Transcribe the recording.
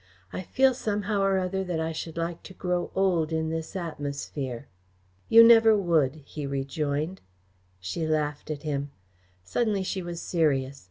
I feel somehow or other that I should like to grow old in this atmosphere." "You never would," he rejoined. She laughed at him. Suddenly she was serious.